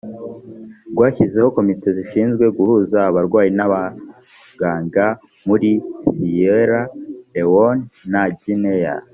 rwashyizeho komite zishinzwe guhuza abarwayi n abaganga muri siyera lewone na gineya